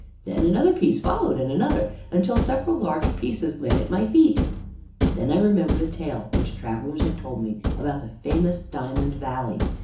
Then another piece followed, and another, until several large pieces lay at my feet. "Then I remembered a tale which travelers had told me about the famous Diamond Valley.